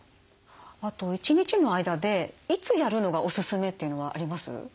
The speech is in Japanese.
あと１日の間でいつやるのがおすすめっていうのはあります？